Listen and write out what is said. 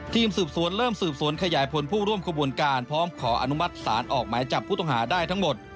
ทีมสืบสวนเริ่มสืบสวนขยายผลผู้ร่วมขบวนการพร้อมขออนุมัติศาลออกหมายจับผู้ต้องหาได้ทั้งหมด